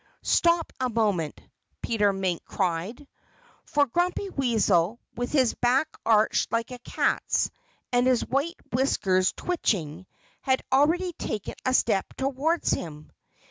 "Stop a moment," Peter Mink cried. For Grumpy Weasel, with his back arched like a cat's, and his white whiskers twitching, had already taken a step towards him.